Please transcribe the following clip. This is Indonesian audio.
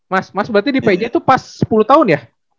mas mas berarti di pj itu pas sepuluh tahun ya